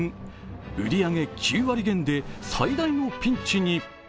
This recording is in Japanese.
売り上げ９割減で最大のピンチに。